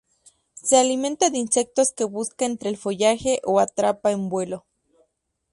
Se alimenta de insectos que busca entre el follaje o atrapa en vuelo.